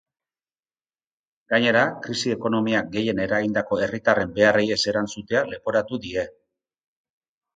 Gainera, krisi ekonomiak gehien eragindako herritarren beharrei ez erantzutea leporatu die.